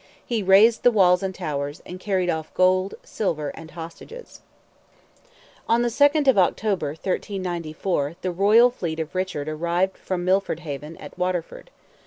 He razed the walls and towers, and carried off gold, silver, and hostages. On the 2nd of October, 1394, the royal fleet of Richard arrived from Milford Haven, at Waterford.